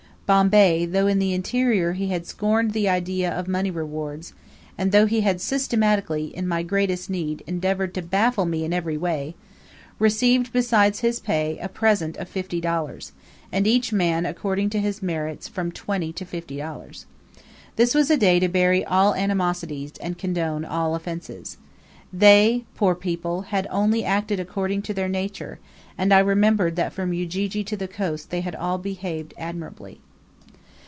Bombay, though in the interior he had scorned the idea of money rewards, and though he had systematically, in my greatest need, endeavoured to baffle me in every way, received, besides his pay, a present of $50, and each man, according to his merits, from $20 to $50. For this was a day to bury all animosities, and condone all offences. They, poor people, had only acted according to their nature, and I remembered that from Ujiji to the coast they had all behaved admirably.